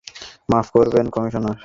মাফ করবেন, কমিশনার।